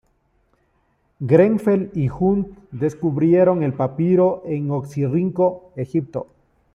Grenfell y Hunt descubrieron el papiro en Oxirrinco, Egipto.